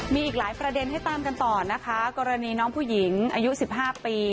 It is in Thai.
มีอีกหลายประเด็นให้ตามกันต่อนะคะกรณีน้องผู้หญิงอายุ๑๕ปี